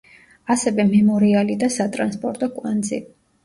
ასევე მემორიალი და სატრანსპორტო კვანძი.